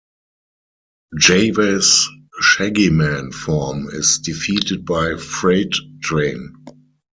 Java's Shaggy Man form is defeated by Freight Train.